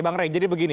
bang rai jadi begini